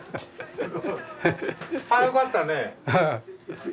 早かったねえ。